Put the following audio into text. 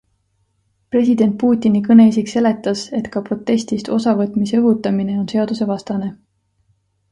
President Putini kõneisik seletas, et ka protestist osa võtmise õhutamine on seadusevastane.